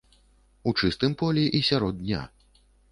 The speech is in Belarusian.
У чыстым полі і сярод дня.